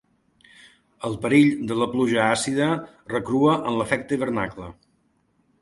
El perill de la pluja àcida recrua amb l'efecte hivernacle.